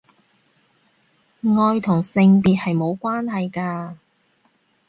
愛同性別係無關係㗎